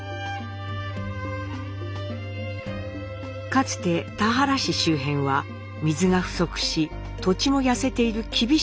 かつて田原市周辺は水が不足し土地も痩せている厳しい場所でした。